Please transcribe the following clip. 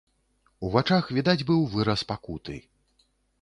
У вачах відаць быў выраз пакуты.